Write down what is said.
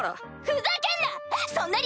ふざけんな！